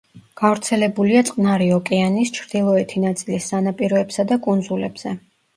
გავრცელებულია წყნარი ოკეანის ჩრდილოეთი ნაწილის სანაპიროებსა და კუნძულებზე.